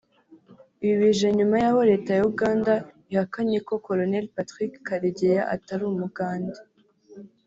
Ibi bije nyuma y’aho Leta ya Uganda ihakanye ko Colonel Patrick Karegeya atari umugande